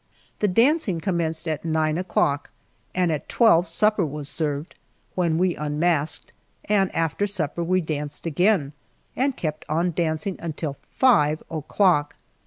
The dancing commenced at nine o'clock, and at twelve supper was served, when we unmasked, and after supper we danced again and kept on dancing until five o'clock!